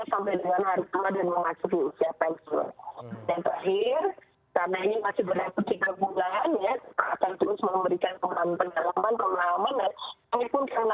walaupun tidak terbuka untuk masukan masukan atau kebanyakan